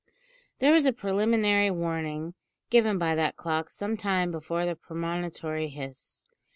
There was a preliminary warning given by that clock some time before the premonitory hiss.